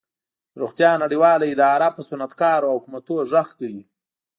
د روغتیا نړیواله اداره په صنعتکارو او حکومتونو غږ کوي